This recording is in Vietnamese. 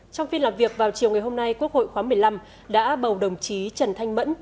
trong phiên làm việc vào chiều ngày hôm nay quốc hội khóa một mươi năm đã bầu đồng chí trần thanh mẫn